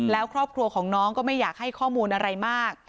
แล้วครอบครัวของน้องก็ไม่อยากให้ข้อมูลอะไรมาก